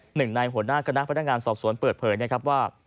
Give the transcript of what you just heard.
หนึ่งในหัวหน้าคณะพนักงานสอบสวนเปิดเผยนะครับว่า